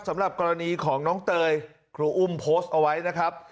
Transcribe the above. สำหรับกรณีของน้องเตยครูอุ้มโพสต์เอาไว้นะครับ